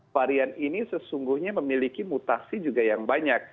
varian ini sesungguhnya memiliki mutasi juga yang banyak